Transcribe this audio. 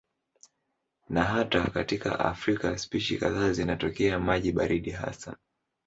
Na hata katika Afrika spishi kadhaa zinatokea maji baridi hasa.